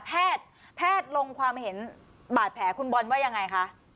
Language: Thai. แพทย์แพทย์ลงความเห็นบาดแผลคุณบอลว่ายังไงคะ